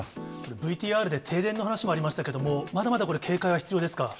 ＶＴＲで停電の話もありましたけれども、まだまだこれ、警戒は必要ですか。